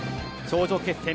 頂上決戦